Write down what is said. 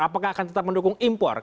apakah akan tetap mendukung impor